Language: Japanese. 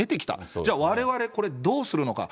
じゃあ、われわれ、これ、どうするのか。